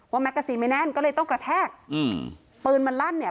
แมกกาซีนไม่แน่นก็เลยต้องกระแทกอืมปืนมันลั่นเนี่ย